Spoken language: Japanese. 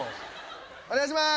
お願いします。